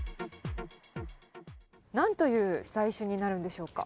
なんという材種になるんでしょうか。